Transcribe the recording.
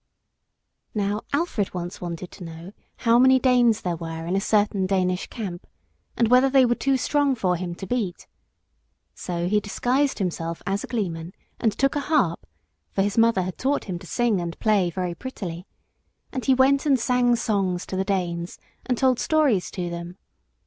Now Alfred once wanted to know how many Danes there were in a certain Danish camp, and whether they were too strong for him to beat. So he disguised himself as a gleeman and took a harp, for his mother had taught him to sing and play very prettily, and he went and sang songs to the Danes and told stories to them.